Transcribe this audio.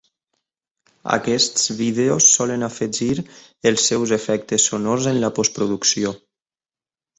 Aquests vídeos solen afegir els seus efectes sonors en la postproducció.